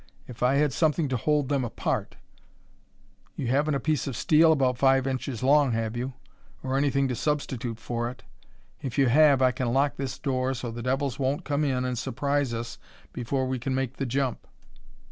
If I had something to hold them apart "You haven't a piece of steel about five inches long, have you? or anything to substitute for it? If you have, I can lock this door so the devils won't come in and surprise us before we can make the jump."